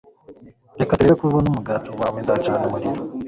Reka turebe ko ubona umugati wawe Nzacana umuriro